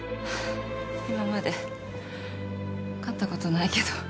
今まで勝ったことないけど